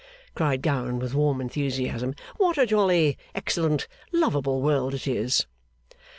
cried Gowan with warm enthusiasm. 'What a jolly, excellent, lovable world it is!